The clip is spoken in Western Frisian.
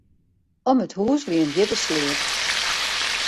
Om it hús wie in djippe sleat.